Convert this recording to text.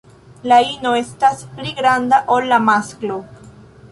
La ino estas pli granda ol la masklo.